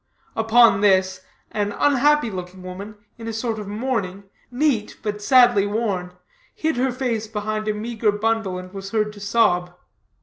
Upon this, an unhappy looking woman, in a sort of mourning, neat, but sadly worn, hid her face behind a meagre bundle, and was heard to sob.